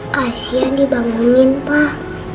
kasian dibangunin pak